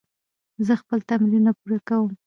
زه خپل تمرینونه پوره کوم.